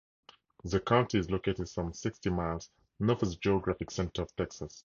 The county is located some sixty miles north of the geographic center of Texas.